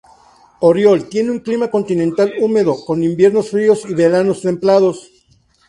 Oriol tiene un clima continental húmedo con inviernos fríos y veranos templados.